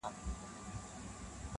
غوجله سمبول د وحشت ښکاري ډېر,